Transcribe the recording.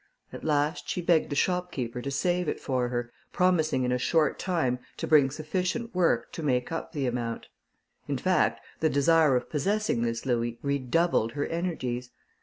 At last she begged the shopkeeper to save it for her, promising in a short time to bring sufficient work to make up the amount. In fact, the desire of possessing this louis redoubled her energies.